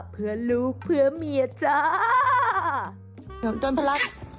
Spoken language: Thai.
เพื่อลูกเพื่อเมียจ้า